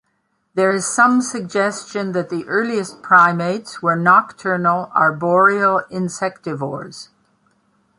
There is some suggestion that the earliest primates were nocturnal, arboreal insectivores.